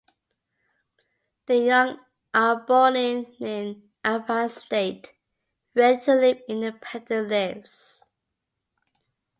The young are born in an advanced state, ready to live independent lives.